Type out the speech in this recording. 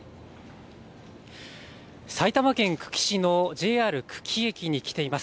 埼玉県久喜市のＪＲ久喜駅に来ています。